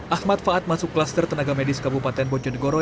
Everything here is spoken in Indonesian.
ahmad faad masuk klaster tenaga medis kabupaten bojonegoro